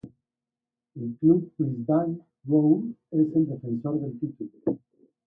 El club Brisbane Roar es el defensor del título.